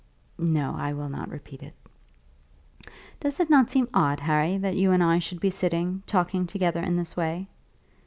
"No; I will not repeat it." "Does it not seem odd, Harry, that you and I should be sitting, talking together in this way?"